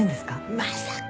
まさか。